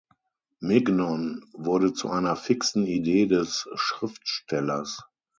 Mignon wird zu einer fixen Idee des Schriftstellers.